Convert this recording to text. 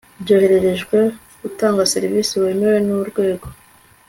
byohererejwe utanga serivisi wemewe n urwego